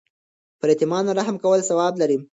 پر یتیمانو رحم کول ثواب لري.